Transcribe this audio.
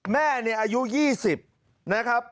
แม่เนี่ยอายุ๒๐นะครับ